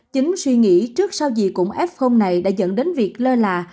chính suy nghĩ trước sau gì cũng ép hôm này đã dẫn đến việc lơ là